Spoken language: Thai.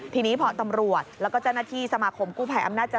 ทีนี้พอร์ตตำรวจและเจ้าหน้าที่สมาคมกู้ภัยอำนาจเจริญ